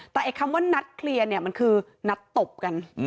แต่คำว่านัดเคลียร์มันคือนัดตบกัน